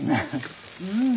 うん！